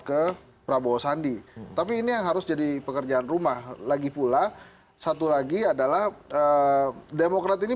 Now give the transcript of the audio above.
ke prabowo sandi tapi ini yang harus jadi pekerjaan rumah lagi pula satu lagi adalah demokrat ini